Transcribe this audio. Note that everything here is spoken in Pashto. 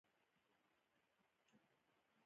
د بسونو کاروان مازیګر د لمانځه لپاره ودرېد.